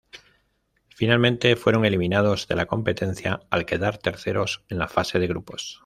Finalmente fueron eliminados de la competencia al quedar terceros en la fase de grupos.